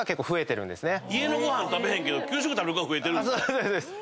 家のご飯食べへんけど給食食べる子が増えてるんですか